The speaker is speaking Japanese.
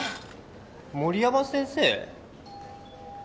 森山先生？